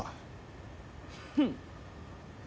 フッ！